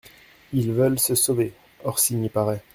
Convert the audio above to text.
Ils veulent se sauver ; Orsini paraît.